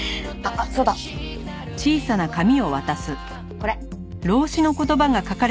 これ。